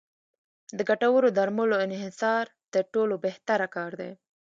د ګټورو درملو انحصار تر ټولو بهتره کار دی.